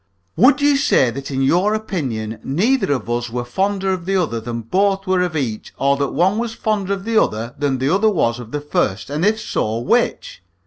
"Would you say that in your opinion neither of us were fonder of the other than both were of each, or that one was fonder of the other than the other was of the first, and if so, which?"